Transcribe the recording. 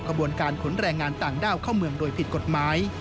ขบวนการขนแรงงานต่างด้าวเข้าเมืองโดยผิดกฎหมาย